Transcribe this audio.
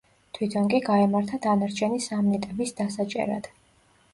თვითონ კი გაემართა დანარჩენი სამნიტების დასაჭერად.